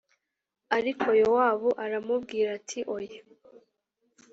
ariko yowabu aramubwira ati oya